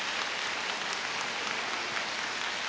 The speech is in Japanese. はい。